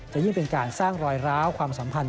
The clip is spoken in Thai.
ยิ่งเป็นการสร้างรอยร้าวความสัมพันธ์